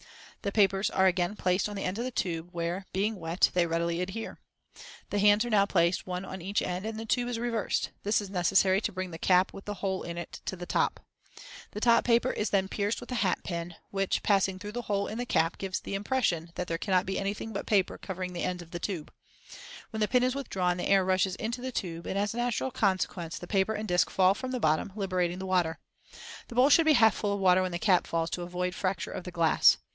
The papers are again placed on the ends of the tube, where, being wet, they readily adhere. The hands are now placed one on each end and the tube is reversed; this is necessary to bring the cap with the hole in it to the top. The top paper is then pierced with the hat pin, which, passing through the hole in the cap, gives the impression that there cannot be anything but the paper covering the ends of the tube. When the pin is withdrawn the air rushes into the tube, and, as a natural consequence, the paper and disc fall from the bottom, liberating the water. The bowl should be half full of water when the cap falls, to avoid fracture of the glass.